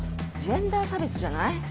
ジェンダー差別じゃない？